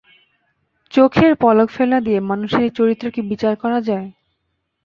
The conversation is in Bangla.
চোখের পলক ফেলা দিয়ে মানুষের চরিত্র কি বিচার করা যায়?